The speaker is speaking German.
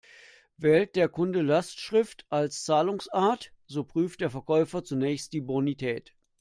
Wählt der Kunde Lastschrift als Zahlungsart, so prüft der Verkäufer zunächst die Bonität.